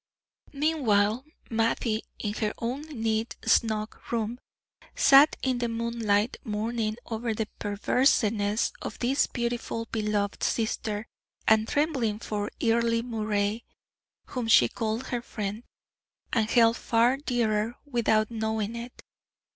Meanwhile, Mattie, in her own neat, snug room, sat in the moonlight, mourning over the perverseness of this beautiful beloved sister, and trembling for Earle Moray, whom she called her friend, and held far dearer, without knowing it.